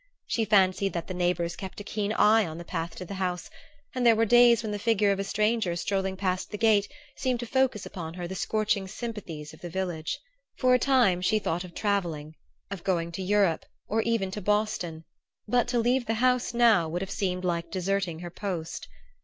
She fancied that the neighbors kept a keen eye on the path to the House; and there were days when the figure of a stranger strolling past the gate seemed to focus upon her the scorching sympathies of the village. For a time she thought of travelling; of going to Europe, or even to Boston; but to leave the House now would have seemed like deserting her post.